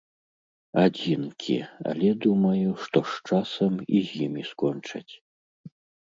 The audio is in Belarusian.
Адзінкі, але, думаю, што з часам і з імі скончаць.